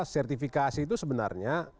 sertifikasi itu sebenarnya